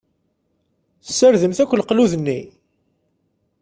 Tessardemt akk leqlud-nni?